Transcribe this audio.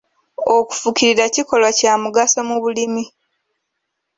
Okufukirira kikolwa kya mugaso mu bulimi.